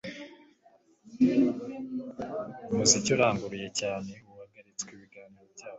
Umuziki uranguruye cyane wahagaritse ibiganiro byabo